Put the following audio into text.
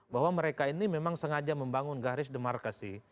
bahwa mereka ini memang sengaja membangun garis demarkasi